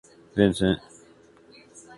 Vincent’.